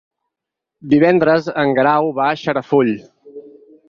Divendres en Guerau va a Xarafull.